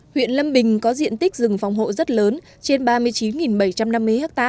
huyện lâm bình có diện tích rừng phòng hộ rất lớn trên ba mươi chín bảy trăm năm mươi ha